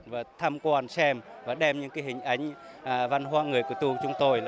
và tham quan xem và đem những hình ảnh văn hóa người của tu chúng tôi